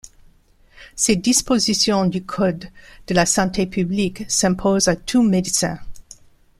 Ces dispositions du code de la santé publique s'imposent à tout médecin.